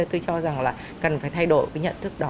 tôi cho rằng là cần phải thay đổi cái nhận thức đó